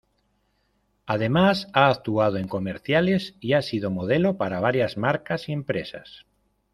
Además ha actuado en comerciales y ha sido modelo para varias marcas y empresas.